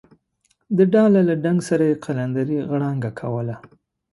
د ډاله له ډنګ سره یې قلندرې غړانګه کوله.